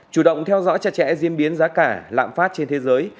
chủ động theo dõi chặt chẽ diễn biến giá cả lạm phát trên thế giới